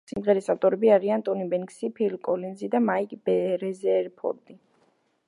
სიმღერის ავტორები არიან ტონი ბენქსი, ფილ კოლინზი და მაიკ რეზერფორდი.